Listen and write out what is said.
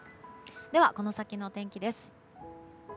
では、この先のお天気です。